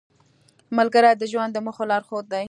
ملګری د ژوند د موخو لارښود دی